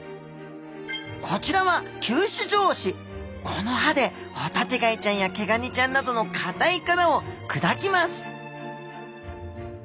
こちらはこの歯でホタテガイちゃんやケガニちゃんなどの硬い殻を砕きます